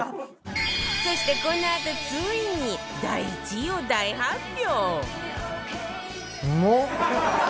そしてこのあとついに第１位を大発表